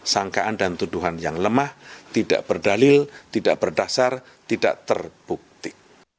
sangkaan dan tuduhan yang lemah tidak berdalil tidak berdasar tidak terbukti